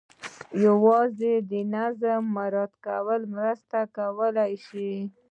یوازې د نظم مراعات مرسته کولای شي.